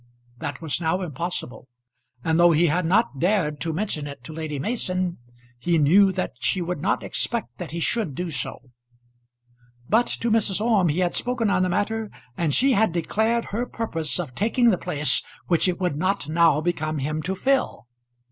That was now impossible, and though he had not dared to mention it to Lady Mason, he knew that she would not expect that he should do so. But to Mrs. Orme he had spoken on the matter, and she had declared her purpose of taking the place which it would not now become him to fill!